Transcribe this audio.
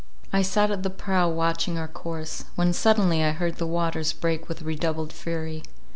I sat at the prow, watching our course; when suddenly I heard the waters break with redoubled fury.